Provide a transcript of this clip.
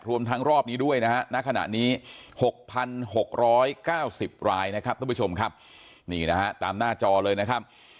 ๖๙๐รายนะครับท่านผู้ชมครับนี่นะฮะตามหน้าจอเลยนะครับ